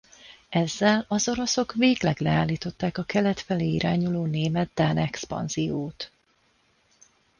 Ezzel az oroszok végleg leállították a kelet felé irányuló német–dán expanziót.